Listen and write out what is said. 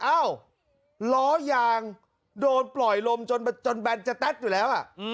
เอ้าล้อยางโดนปล่อยลมจนแบนจะแต๊ดอยู่แล้ว